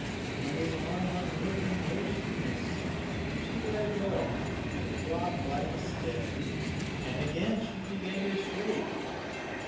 But his arm hung limp and motionless; she let it go; it dropped like a stick, and again she began to shriek.